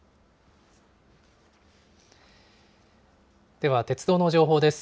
では鉄道の情報です。